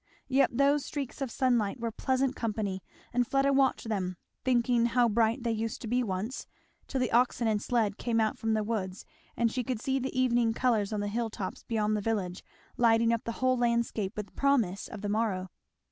Yet those streaks of sunlight were pleasant company, and Fleda watched them, thinking how bright they used to be once; till the oxen and sled came out from the woods, and she could see the evening colours on the hill tops beyond the village, lighting up the whole landscape with promise of the morrow.